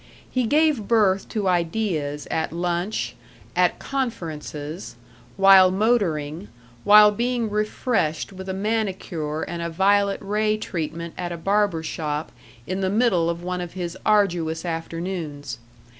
He gave birth to ideas at lunch, at "conferences," while motoring, while being refreshed with a manicure and a violet ray treatment at a barber shop in the middle of one of his arduous afternoons.